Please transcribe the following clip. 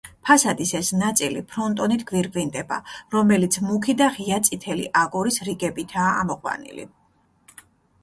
ფასადის ეს ნაწილი ფრონტონით გვირგვინდება, რომელიც მუქი და ღია წითელი აგურის რიგებითაა ამოყვანილი.